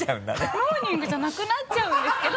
モーニングじゃなくなっちゃうんですけど。